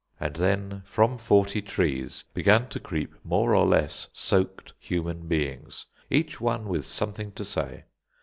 And then from forty trees began to creep more or less soaked human beings, each one with something to say.